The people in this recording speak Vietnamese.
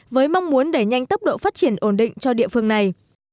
với mong muốn đẩy nhanh tốc độ phát triển ổn định cho địa phương này